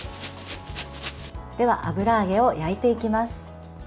では油揚げを焼いていきます。